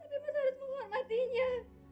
tapi mas harus menghormatinya